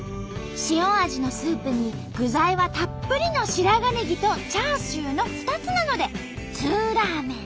塩味のスープに具材はたっぷりの白髪ネギとチャーシューの２つなのでツーラーメン。